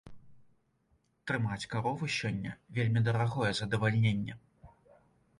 Трымаць карову сёння вельмі дарагое задавальненне.